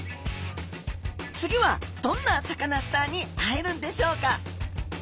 次はどんなサカナスターに会えるんでしょうか？